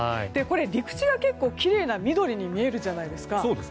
陸地が結構きれいな緑に見えるじゃないですか。